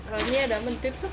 rồi nghe đã mình tiếp xúc